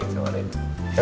abisin makannya ya